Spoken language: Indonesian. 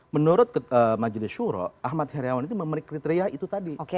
menurut majelis syuro ahmad heriawan itu memberi kriteria itu tadi